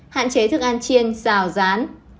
hạn chế thức ăn chiên xào rán